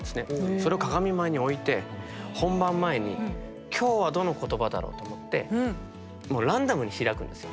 それを鏡前に置いて本番前に今日はどの言葉だろうと思ってもうランダムに開くんですよ。